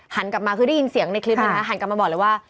กลับมาคือได้ยินเสียงในคลิปนี้นะหันกลับมาบอกเลยว่า